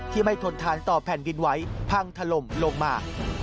ไม่ทนทานต่อแผ่นดินไหวพังถล่มลงมา